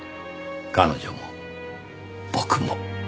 彼女も僕も。